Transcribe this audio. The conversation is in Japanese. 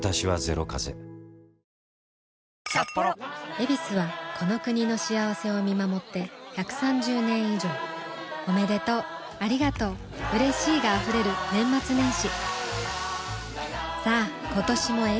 「ヱビス」はこの国の幸せを見守って１３０年以上おめでとうありがとううれしいが溢れる年末年始さあ今年も「ヱビス」で